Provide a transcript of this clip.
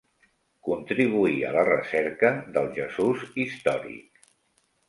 Contribuí a la recerca del Jesús històric.